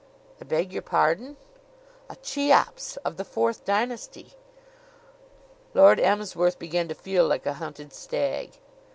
"I beg your pardon?" "A Cheops of the Fourth Dynasty." Lord Emsworth began to feel like a hunted stag.